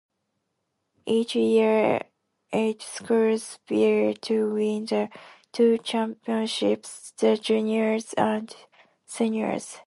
Each year, eight schools vie to win the two championships: the Juniors and Seniors.